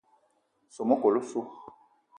Soo mekol osso.